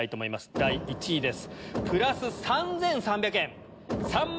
第１位です！